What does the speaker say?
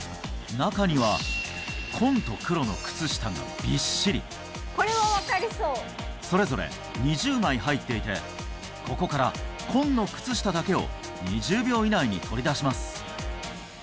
中にはがびっしりそれぞれ２０枚入っていてここから紺の靴下だけを２０秒以内に取り出します